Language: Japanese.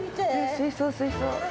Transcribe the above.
水槽水槽。